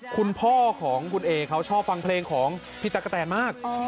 คุณพ่อของคุณเอเขาชอบฟังเพลงของพี่ตั๊กกะแตนมาก